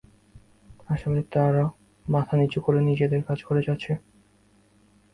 আসলে, তারা মাথা নিচু করে নিজেদের কাজ করে যাচ্ছে।